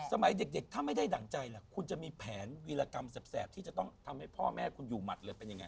สมัยเด็กถ้าไม่ได้ดั่งใจล่ะคุณจะมีแผนวีรกรรมแสบที่จะต้องทำให้พ่อแม่คุณอยู่หมัดเลยเป็นยังไง